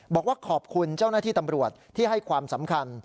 บอกว่าขอบคุณเจ้าหน้าที่ตำรวจที่ให้ความสำคัญ